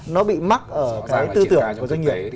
nó bị mắc ở cái tư tưởng của doanh nghiệp